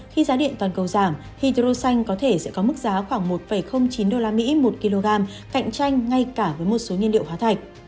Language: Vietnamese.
khi giá điện toàn cầu giảm hydro xanh có thể sẽ có mức giá khoảng một chín usd một kg cạnh tranh ngay cả với một số nhiên liệu hóa thạch